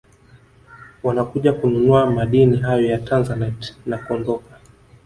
Wanakuja kununua madini hayo ya Tanzanite na kuondoka